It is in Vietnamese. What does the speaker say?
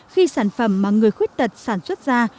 khi sản phẩm mà người khuyết tật sản xuất ra